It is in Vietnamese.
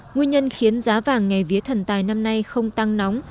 nguyên nhân khiến giá vàng ngày vía thần tài năm nay không tăng nóng